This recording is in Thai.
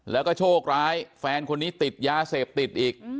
แล้วก็โชคร้ายแฟนคนนี้ติดยาเสพติดอีก